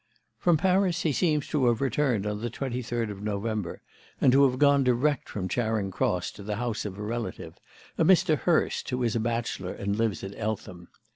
"From Paris he seems to have returned on the twenty third of November, and to have gone direct from Charing Cross to the house of a relative, a Mr. Hurst, who is a bachelor and lives at Eltham.